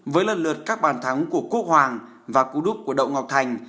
với lần lượt các bàn thắng của quốc hoàng và cú đúc của đậu ngọc thành